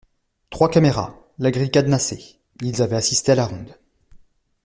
trois caméras, la grille cadenassée. Ils avaient assisté à la ronde